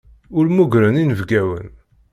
Ur mmugren inebgawen.